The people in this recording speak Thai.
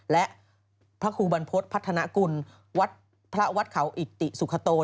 และพระครูบรรพฤษพัฒนากุลวัดพระวัดเขาอิติสุขโต